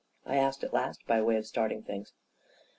I asked at last, by way of starting things.